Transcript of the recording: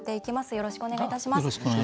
よろしくお願いします。